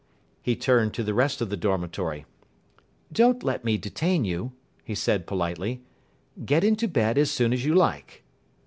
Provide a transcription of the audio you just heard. He turned to the rest of the dormitory. "Don't let me detain you," he said politely. "Get into bed as soon as you like."